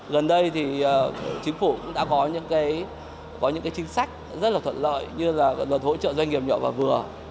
gần đây thì chính phủ cũng đã có những chính sách rất là thuận lợi như là hỗ trợ doanh nghiệp nhỏ và vừa